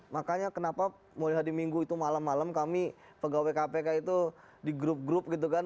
makanya kenapa mulai hari minggu itu malam malam kami pegawai kpk itu di grup grup gitu kan